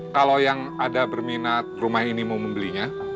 kalau yang ada berminat rumah ini mau membelinya